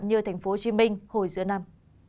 như thành phố hồ chí minh hồi giữa năm